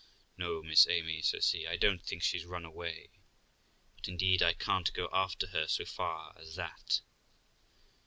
'No, Mrs Amy', says he, 'I don't think she's run away; but, indeed, I can't go after her so far as that.'